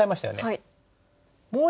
はい。